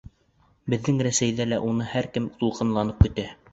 Беҙҙең Рәсәйҙә лә уны һәр кем тулҡынланып көтә.